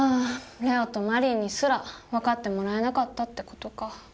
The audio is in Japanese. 礼央とマリーにすら分かってもらえなかったって事か。